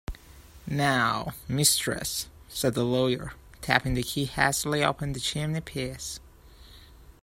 "Now, mistress," said the lawyer, tapping the key hastily upon the chimney-piece.